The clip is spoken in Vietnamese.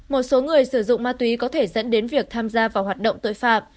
một số người sử dụng ma túy có thể dẫn đến việc tham gia vào hoạt động tội phạm